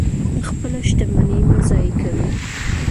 خپله شتمني مه ضایع کوئ.